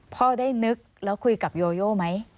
พ่อได้นึกแล้วคุยกับโยโยไหม